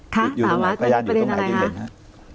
ค่ะถามมาก็มีประเด็นอะไรครับ